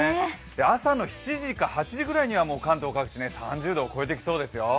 朝の７時か８時ぐらいには関東各地３０度を超えてきそうですよ。